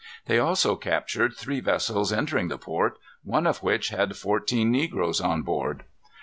They also captured three vessels entering the port, one of which had fourteen negroes on board.